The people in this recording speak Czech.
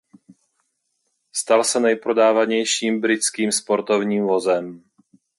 Stal se nejprodávanějším britským sportovním vozem.